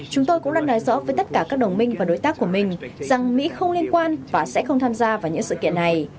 chúng tôi cũng đang nói rõ với tất cả các đồng minh và đối tác của mình rằng mỹ không liên quan và sẽ không tham gia vào những sự kiện này